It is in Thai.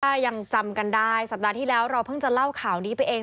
ถ้ายังจำกันได้สัปดาห์ที่แล้วเราเพิ่งจะเล่าข่าวนี้ไปเอง